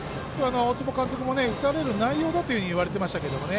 大坪監督も打たれる内容だと言われていました。